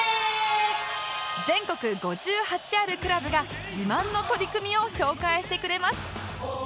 全国５８あるクラブが自慢の取り組みを紹介してくれます